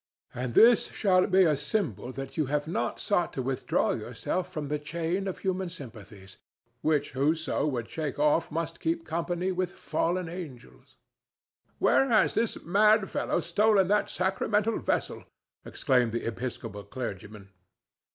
And this shall be a symbol that you have not sought to withdraw yourself from the chain of human sympathies, which whoso would shake off must keep company with fallen angels." "Where has this mad fellow stolen that sacramental vessel?" exclaimed the Episcopal clergyman.